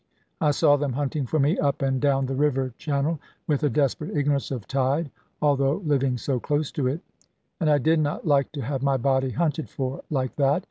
I saw them hunting for me, up and down the river channel, with a desperate ignorance of tide (although living so close to it), and I did not like to have my body hunted for like that.